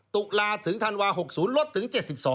ตุลาถึงธันวา๖๐ลดถึง๗๒